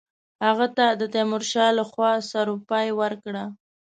هغه ته د تیمورشاه له خوا سروپايي ورکړه.